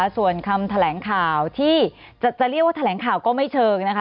ส่วนคำแถลงข่าวที่จะเรียกว่าแถลงข่าวก็ไม่เชิงนะคะ